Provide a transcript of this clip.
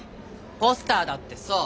ポスターだってそう！